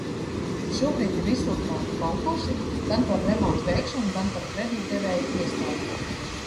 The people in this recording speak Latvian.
Šobrīd ir izsludināti konkursi gan par remontu veikšanu, gan par kredītdevēju iestādi.